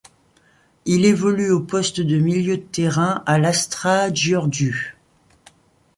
Il évolue au poste de milieu de terrain à l'Astra Giurgiu.